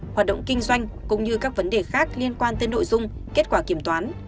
hoạt động kinh doanh cũng như các vấn đề khác liên quan tới nội dung kết quả kiểm toán